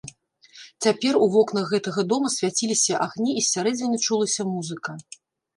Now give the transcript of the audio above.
Цяпер у вокнах гэтага дома свяціліся агні і з сярэдзіны чулася музыка.